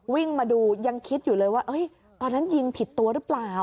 วิ่งมาดูยังคิดอยู่เลยว่าตอนนั้นยิงผิดตัวหรือเปล่า